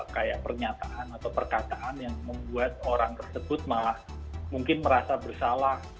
kayak pernyataan atau perkataan yang membuat orang tersebut malah mungkin merasa bersalah